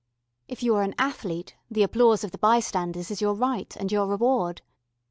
If you are an athlete the applause of the bystanders is your right and your reward.